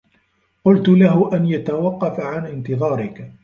قلت له أن يتوقّف عن انتظارك.